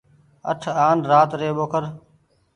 اٺ آن رآت ري ٻوکر۔